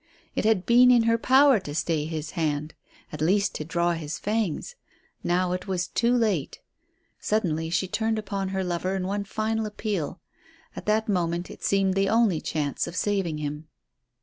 It had been in her power to stay his hand, at least to draw his fangs. Now it was too late. Suddenly she turned upon her lover in one final appeal. At that moment it seemed the only chance of saving him.